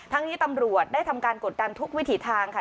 นี้ตำรวจได้ทำการกดดันทุกวิถีทางค่ะ